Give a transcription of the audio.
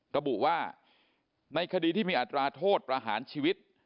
ระบุว่าในคดีที่มีอัตราโทษประหารชีวิต